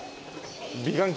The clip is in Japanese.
美顔器！？